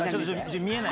見えない。